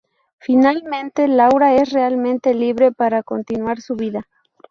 Finalmente, Laura es realmente libre para continuar su vida.